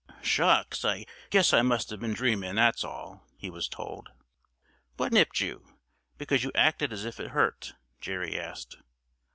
"Shucks! I guess I must have been dreaming, that's all," he was told. "What nipped you? Because you acted as if it hurt," Jerry asked.